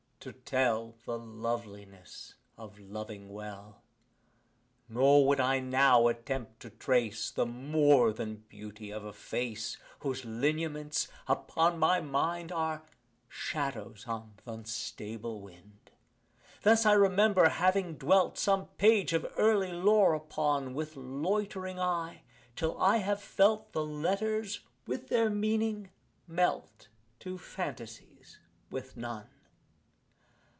to tell The loveliness of loving well! Nor would I now attempt to trace The more than beauty of a face Whose lineaments, upon my mind, Are shadows on th' unstable wind Thus I remember having dwelt Some page of early lore upon, With loitering eye, till I have felt The letters with their meaning melt To fantasies with none.